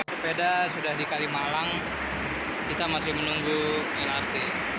sepeda sudah di kalimalang kita masih menunggu lrt